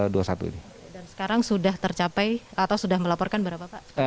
dan sekarang sudah tercapai atau sudah melaporkan berapa pak